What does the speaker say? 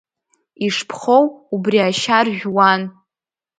Ишԥхоу убри ашьа ржәуан.